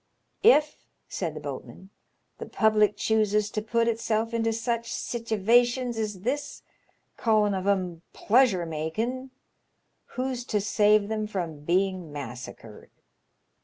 If/* said the boatman, "the public chooses to put itself into sich sittivations as this, callin' of *em pleasure makin', who's to save them from being massacred